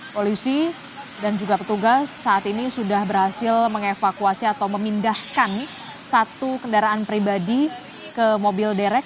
polisi dan juga petugas saat ini sudah berhasil mengevakuasi atau memindahkan satu kendaraan pribadi ke mobil derek